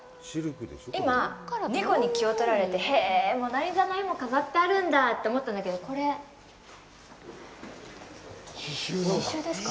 今、猫に気を取られてへぇ、「モナ・リザ」の絵も飾ってあるんだって思ったんだけどこれ、刺しゅうですか。